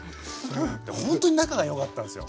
ほんとに仲がよかったんすよ。